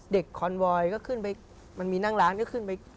เด็กคอนโวยก็ขึ้นไปมันมีนั่งหลานก็ขึ้นไป